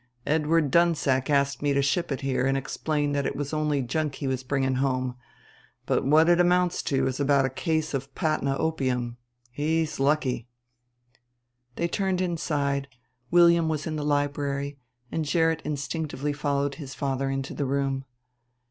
"Edward Dunsack asked me to ship it here and explained that it was only junk he was bringing home, but what it amounts to is about a case of Patna opium. He's lucky." They turned inside, William was in the library, and Gerrit instinctively followed his father into the room.